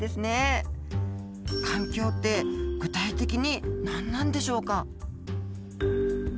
環境って具体的に何なんでしょうか？